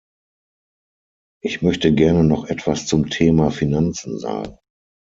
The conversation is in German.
Ich möchte gerne noch etwas zum Thema Finanzen sagen.